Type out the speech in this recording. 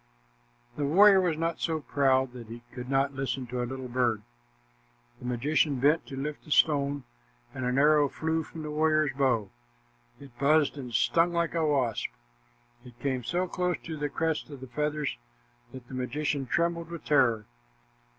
The warrior was not so proud that he could not listen to a little bird. The magician bent to lift a stone, and an arrow flew from the warrior's bow. It buzzed and stung like a wasp. It came so close to the crest of feathers that the magician trembled with terror.